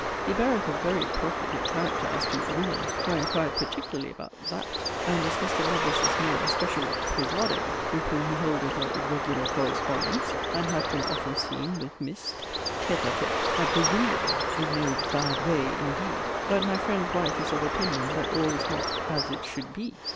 He beareth a very profligate character as to 'women,' (for I inquired particularly about 'that,') and is Mr. Lovelace's more especial 'privado,' with whom he holdeth a 'regular correspondence'; and hath been often seen with Miss (tête à tête) at the 'window' in no 'bad way,' indeed: but my friend's wife is of opinion that all is not 'as it should be.'